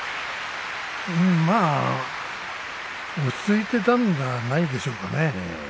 まあ落ち着いていたんじゃないですかね。